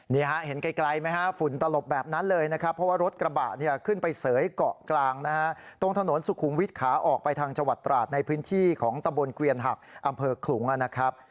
นี่ฮะเห็นไกลไหมฮะฝุ่นตลบแบบนั้นเลยนะครับเพราะว่ารถกระบะเนี่ยขึ้นไปเสยเกาะกลางนะฮะตรงถนนสุขุมวิทย์ขาออกไปทางจังหวัดตราดในพื้นที่ของตำบลเกวียนหักอำเภอขลุงนะครับ